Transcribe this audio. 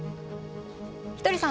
ひとりさん